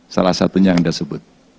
salah satunya yang sudah disebut